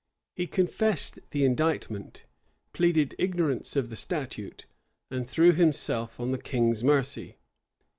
He confessed the indictment, pleaded ignorance of the statute, and threw himself on the king's mercy.